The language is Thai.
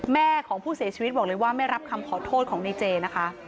แม่ของผู้เสียชีวิตบอกเลยว่าไม่รับคำขอโทษของในเจนะคะ